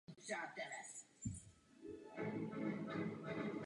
Tu ještě toho roku Maroko získalo a Hasan se stal následníkem trůnu.